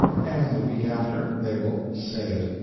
And the week after, they will say it.